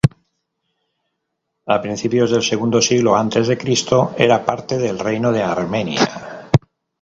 A principios del segundo siglo antes de Cristo era parte del Reino de Armenia.